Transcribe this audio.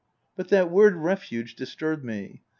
But that word refuge disturbed me.